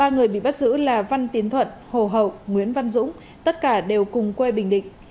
ba người bị bắt giữ là văn tiến thuận hồ hậu nguyễn văn dũng tất cả đều cùng quê bình định